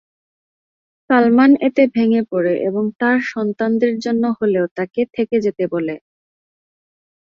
সালমান এতে ভেঙ্গে পড়ে এবং তার সন্তানদের জন্য হলেও তাকে থেকে যেতে বলে।